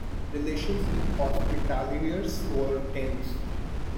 Relations with the Hospitaliers were tense.